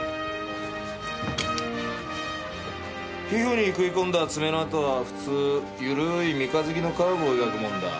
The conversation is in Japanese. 皮膚に食い込んだ爪の痕は普通ゆるい三日月のカーブを描くもんだ。